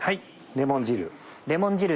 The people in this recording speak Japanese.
レモン汁。